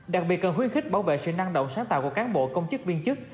đặc biệt cần khuyến khích bảo vệ sự năng động sáng tạo của cán bộ công chức viên chức